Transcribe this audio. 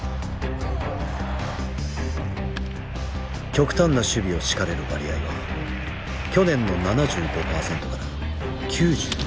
極端な守備を敷かれる割合は去年の７５％から９１％に上昇。